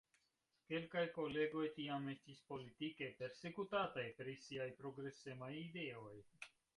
Kelkaj kolegoj tiam estis politike persekutataj pri siaj progresemaj ideoj.